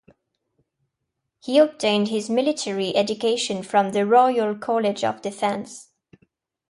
He obtained his military education from the Royal College of Defence.